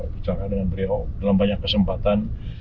bicara dengan beliau dalam banyak kesempatan